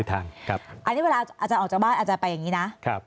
อันนี้เวลาอาจารย์ออกจากบ้านอาจารย์ไปอย่างนี้นะ